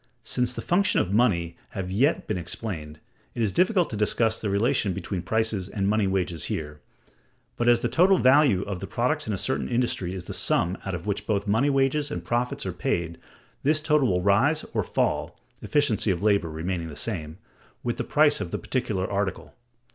Since the functions of money have not yet been explained, it is difficult to discuss the relation between prices and money wages here. But, as the total value of the products in a certain industry is the sum out of which both money wages and profits are paid, this total will rise or fall (efficiency of labor remaining the same) with the price of the particular article.